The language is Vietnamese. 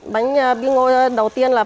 bánh bí ngô đầu tiên là